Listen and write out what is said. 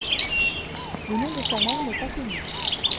Le nom de sa mère n'est pas connu.